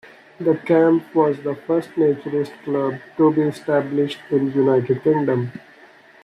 The Camp was the first naturist club to be established in the United Kingdom.